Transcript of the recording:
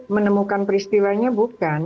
menemukan peristiwanya bukan